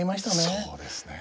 そうですね。